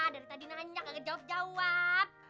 dari tadi nanya gak kejawab jawab